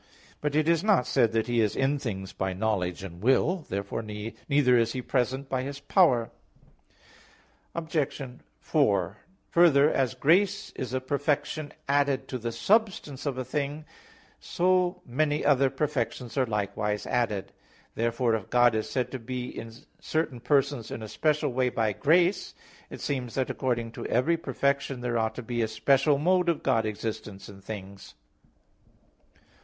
But it is not said that He is in things by knowledge and will. Therefore neither is He present by His power. Obj. 4: Further, as grace is a perfection added to the substance of a thing, so many other perfections are likewise added. Therefore if God is said to be in certain persons in a special way by grace, it seems that according to every perfection there ought to be a special mode of God's existence in things.